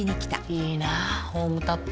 いいなホームタップ。